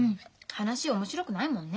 話面白くないもんね。